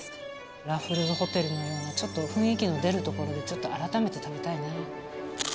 ラッフルズホテルのようなちょっと雰囲気の出る所であらためて食べたいな。